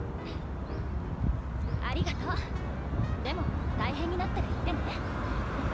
ありがとうでも大変になったら言ってね！